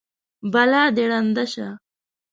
بلا دې ړنده شه!